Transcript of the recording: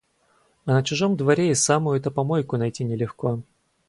А на чужом дворе и самую-то помойку найти не легко.